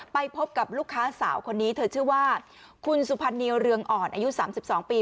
ไปพบกับลูกค้าสาวคนนี้เธอชื่อว่าคุณสุพรรณีวเรืองอ่อนอายุ๓๒ปี